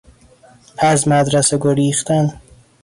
از مدرسه گریختن